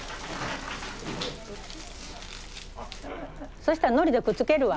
そしたらのりでくっつけるわ。